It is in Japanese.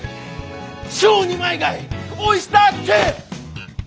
超二枚貝オイスターＫ！